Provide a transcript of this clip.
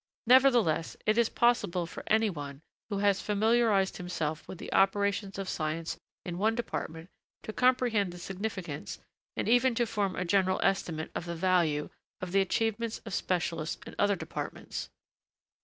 Nevertheless, it is possible for anyone, who has familiarised himself with the operations of science in one department, to comprehend the significance, and even to form a general estimate of the value, of the achievements of specialists in other departments.